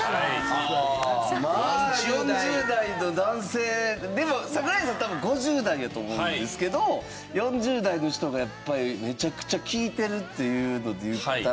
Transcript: まあ４０代の男性でも桜井さん多分５０代やと思うんですけど４０代の人がやっぱりめちゃくちゃ聴いてるっていうのでいったら。